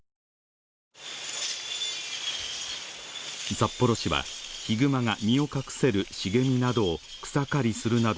札幌市はヒグマが身を隠せる茂みなどを草刈するなど